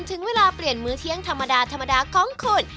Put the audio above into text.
ถึงเวลาเปลี่ยนมื้อเที่ยงธรรมดาธรรมดาของคุณ